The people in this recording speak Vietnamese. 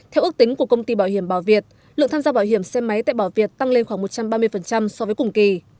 theo ước tính của công ty bảo hiểm bảo việt lượng tham gia bảo hiểm xe máy tại bảo việt tăng lên khoảng một trăm ba mươi so với cùng kỳ